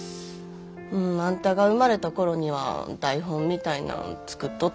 あんたが生まれた頃には台本みたいなん作っとったけどな。